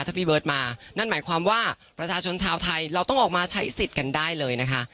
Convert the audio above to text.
ถ้าพี่เบิร์ตมานั่นหมายความว่าประชาชนชาวไทยเราต้องออกมาใช้สิทธิ์กันได้เลยนะคะ